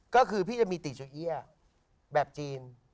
ก็คือพี่จะมีติโชเอียแบบจีน